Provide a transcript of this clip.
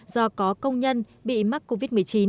do có công nhân bị mắc covid một mươi chín